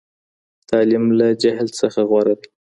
تعليم له جهل څخه غوره دی.